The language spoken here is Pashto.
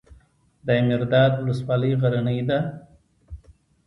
دایمیرداد ولسوالۍ غرنۍ ده؟